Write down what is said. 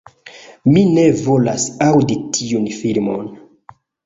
"Mi ne volas aŭdi tiun filmon!"